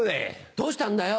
どうしたんだよ？